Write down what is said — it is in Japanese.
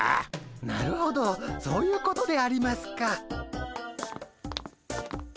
なるほどそういうことでありますか。